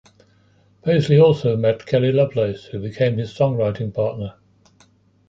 Paisley also met Kelley Lovelace, who became his songwriting partner.